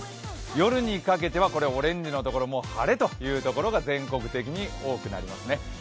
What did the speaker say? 夜にかけてはオレンジのところ晴れというところが、全国的に多くなりますね。